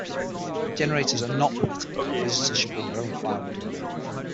Generators are not permitted and visitors should bring their own firewood.